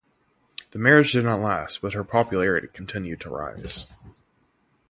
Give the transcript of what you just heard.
The marriage did not last but her popularity continued to rise.